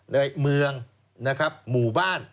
ในเมืองนะครับหมู่บ้าน